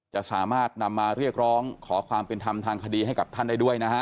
จะสามารถนำมาเรียกร้องขอความเป็นธรรมทางคดีให้กับท่านได้ด้วยนะฮะ